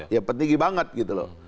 ya penting banget gitu loh